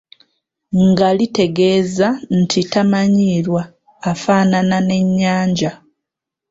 Nga litegeeza nti tamanyiirwa, afaanana n'ennyanja.